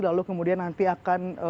lalu kemudian nanti akan